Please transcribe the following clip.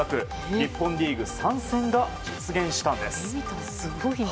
日本リーグ参戦が実現したんです。